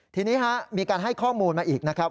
ทีนี้มีการให้ข้อมูลมาอีกนะครับ